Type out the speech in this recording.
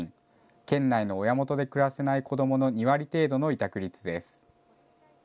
県内の親元で暮らせない子どもの２割程度の委託率です。